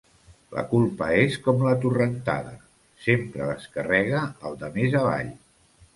La culpa és com la torrentada: sempre descarrega al de més avall.